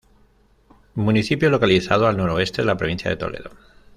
Municipio localizado al noroeste de la provincia de Toledo.